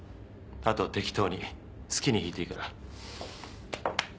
後は適当に好きに弾いていいから。